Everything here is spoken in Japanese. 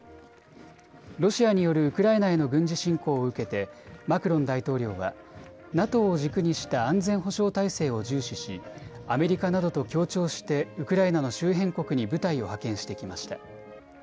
ロシアによるウクライナへの軍事侵攻を受けてマクロン大統領はＮＡＴＯを軸にした安全保障体制を重視しアメリカなどと協調してウクライナの周辺国に部隊を派遣してきました。